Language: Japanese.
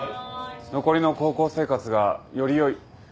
残りの高校生活がよりよい。